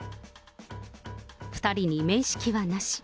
２人に面識はなし。